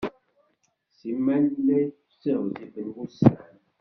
Simal la ttiɣzifen wussan.